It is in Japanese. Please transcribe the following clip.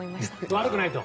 悪くないと？